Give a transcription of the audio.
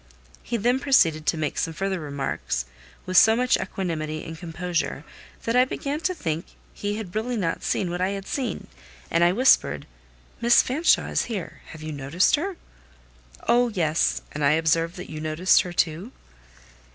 He then proceeded to make some further remarks, with so much equanimity and composure that I began to think he had really not seen what I had seen, and I whispered—"Miss Fanshawe is here: have you noticed her?" "Oh, yes! and I observed that you noticed her too."